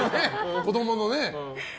子供のね。